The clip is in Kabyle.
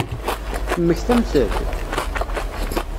Temmektamt-d?